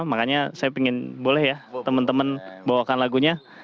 makanya saya pingin boleh ya temen temen bawakan lagunya